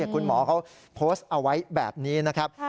คุณหมอเขาโพสต์เอาไว้แบบนี้นะครับ